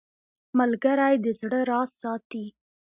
ملګری د زړه راز ساتي